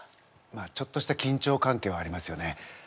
まあちょっとしたきんちょう関係はありますよね。